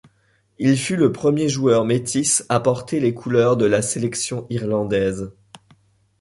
Il fut le premier joueur métis à porter les couleurs de la sélection irlandaise.